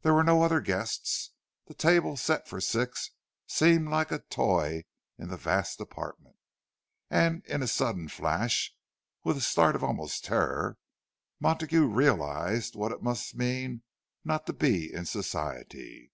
There were no other guests—the table, set for six, seemed like a toy in the vast apartment. And in a sudden flash—with a start of almost terror—Montague realized what it must mean not to be in Society.